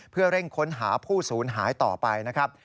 เพื่อเร่งค้นหาผู้สูญหายต่อไปนะครับ